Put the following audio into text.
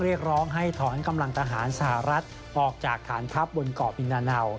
เรียกร้องให้ถอนกำลังทหารสหรัฐออกจากฐานทัพบนเกาะปินาเนา